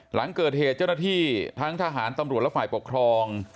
หลังเกิดเหตุเจ้าหน้าที่ทั้งทหารตำรวจและฝ่ายปกครอง